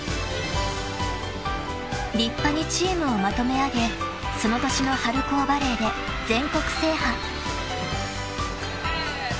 ［立派にチームをまとめあげその年の春高バレーで全国制覇］せの。